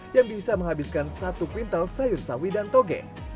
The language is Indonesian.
yang bisa menghabiskan satu quintal sayur sawi dan togen